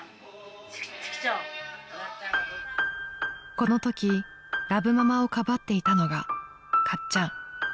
［このときラブママをかばっていたのがかっちゃん］